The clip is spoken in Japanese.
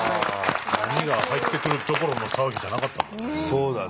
波が入ってくるどころの騒ぎじゃなかったんだね。